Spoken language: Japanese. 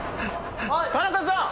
田中さん